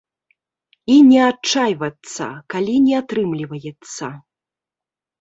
І не адчайвацца, калі не атрымліваецца.